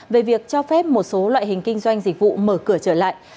về việc cho phép một số loại hình kinh doanh dịch vụ mở cửa trở lại